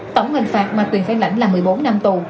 tổng hình phạt mà tuyền khai lãnh là một mươi bốn năm tù